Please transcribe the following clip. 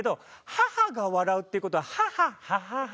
母が笑うっていう事は「母ハハハ」